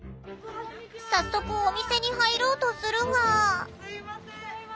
早速お店に入ろうとするが。